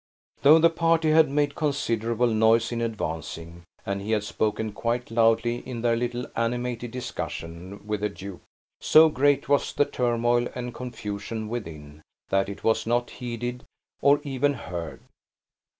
Though the party had made considerable noise in advancing, and had spoken quite loudly in their little animated discussion with the duke, so great was the turmoil and confusion within, that it was not heeded, or even heard.